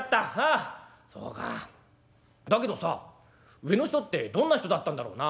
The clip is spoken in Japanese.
だけどさ上の人ってどんな人だったんだろうな？」。